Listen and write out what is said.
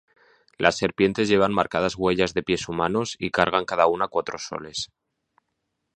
Las serpientes llevan marcadas huellas de pies humanos, y cargan cada una cuatro soles.